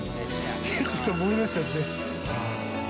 ちょっと思い出しちゃって。